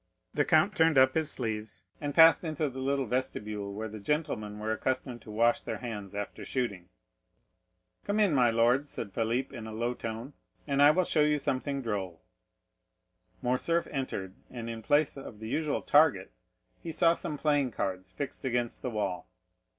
The count turned up his sleeves, and passed into the little vestibule where the gentlemen were accustomed to wash their hands after shooting. "Come in, my lord," said Philip in a low tone, "and I will show you something droll." Morcerf entered, and in place of the usual target, he saw some playing cards fixed against the wall.